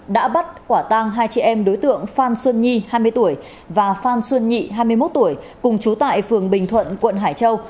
đã bắt quả tang hai chị em đối tượng phan xuân nhi hai mươi tuổi và phan xuân nhị hai mươi một tuổi cùng chú tại phường bình thuận quận hải châu